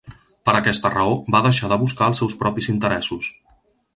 Per aquesta raó va deixar de buscar els seus propis interessos.